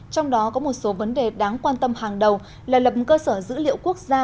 trong đó có một số vấn đề đáng quan tâm hàng đầu là lập cơ sở dữ liệu quốc gia